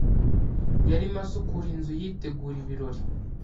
Yarimo asukura inzu yitegura ibirori.